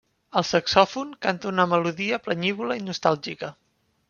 El saxòfon canta una melodia planyívola i nostàlgica.